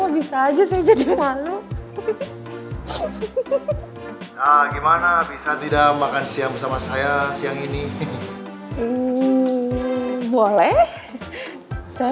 bisa aja sih jadi malu nah gimana bisa tidak makan siang bersama saya siang ini boleh saya